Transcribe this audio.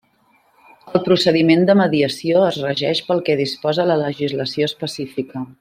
El procediment de mediació es regeix pel que disposa la legislació específica.